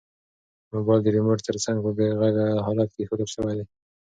موبایل د ریموټ تر څنګ په بې غږه حالت کې ایښودل شوی دی.